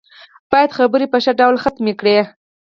بايد خبرې په ښه ډول ختمې کړي.